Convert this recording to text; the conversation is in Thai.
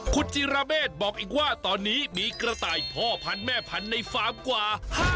คุณจิราเมฆบอกอีกว่าตอนนี้มีกระต่ายพ่อพันธุ์แม่พันธุ์ในฟาร์มกว่า